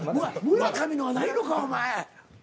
村上のはないのかお前。